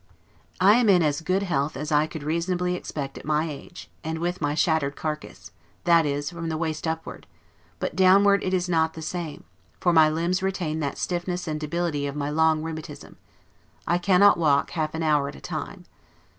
I am in as good health as I could reasonably expect, at my age, and with my shattered carcass; that is, from the waist upward; but downward it is not the same: for my limbs retain that stiffness and debility of my long rheumatism; I cannot walk half an hour at a time.